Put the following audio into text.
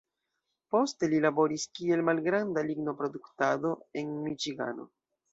Poste li laboris kiel malgranda lignoproduktado en Miĉigano.